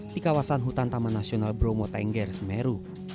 di kawasan hutan taman nasional bromo tengger semeru